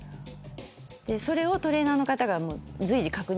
でそれをトレーナーの方が随時確認しながら。